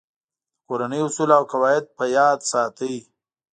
د کورنۍ اصول او قواعد په یاد ساتئ.